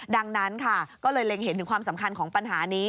ดังนั้นค่ะก็เลยเล็งเห็นถึงความสำคัญของปัญหานี้